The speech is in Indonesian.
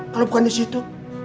kalau bukan disitu